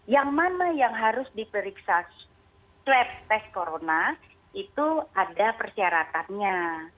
yang mana yang harus diperiksa swab test corona itu ada persyaratannya